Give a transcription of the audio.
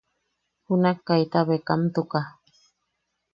Junak kaita bekamtuka.